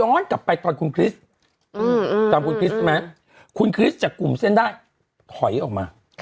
กลับไปตอนคุณคริสต์จำคุณคริสต์ไหมคุณคริสต์จากกลุ่มเส้นได้ถอยออกมา